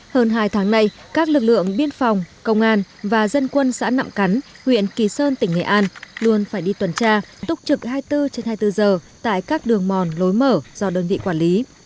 hơn hai tháng nay các lực lượng biên phòng công an và dân quân xã nạm cắn huyện kỳ sơn tỉnh nghệ an luôn phải đi tuần tra túc trực hai mươi bốn trên hai mươi bốn giờ tại các đường mòn lối mở do đơn vị quản lý